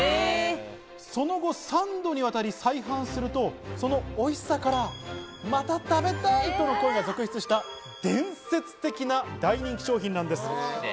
その後、３度にわたり再販すると、そのおいしさから、また食べたいとの声が続出した伝説的な大人気商品なんです。